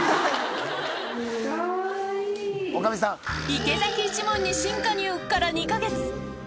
池崎一門に新加入から２か月。